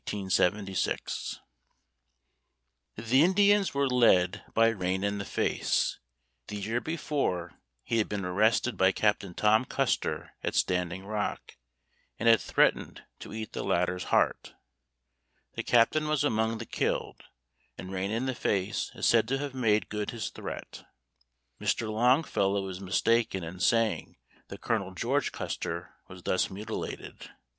The Indians were led by Rain in the Face. The year before, he had been arrested by Captain Tom Custer at Standing Rock, and had threatened to eat the latter's heart. The Captain was among the killed, and Rain in the Face is said to have made good his threat. Mr. Longfellow is mistaken in saying that Colonel George Custer was thus mutilated.